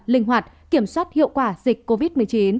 linh hoạt kiểm soát hiệu quả dịch covid một mươi chín